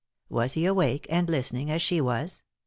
Was he awake and listening, as she was